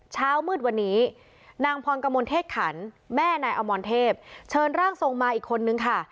เช้ามืดวันนี้นางพรกมลเทศขันแม่นายอมรเทพเชิญร่างทรงมาอีกคนนึงค่ะ